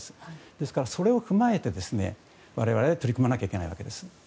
ですから、それを踏まえて我々は取り組まなきゃいけないわけです。